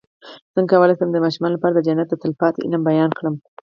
څنګه کولی شم د ماشومانو لپاره د جنت د تل پاتې علم بیان کړم